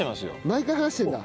毎回話してるんだ？